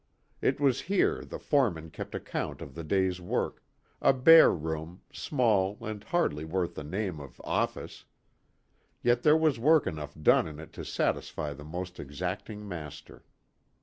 It was here the foreman kept account of the day's work a bare room, small, and hardly worth the name of "office." Yet there was work enough done in it to satisfy the most exacting master.